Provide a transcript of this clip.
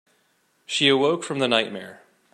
She awoke from the nightmare.